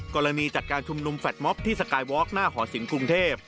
กรณีจัดการชุมนุมแฟลตม็อบที่สกายวอร์กหน้าหอสินกรุงเทพ